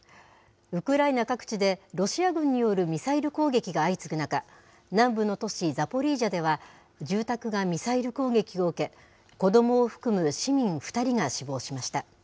ウクライナ各地でロシア軍によるミサイル攻撃が相次ぐ中、南部の都市ザポリージャでは、住宅がミサイル攻撃を受け、子どもを含む市民２人が死亡しました。